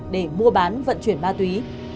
để mua bán vận chuyển ma túy